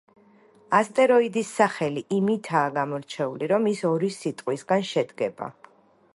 ასტეროიდის სახელი იმითაა გამორჩეული, რომ ის ორი სიტყვისგან შედგება.